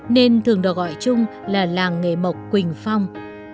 nên thường được gọi chung là làng nghề mộc quỳnh phong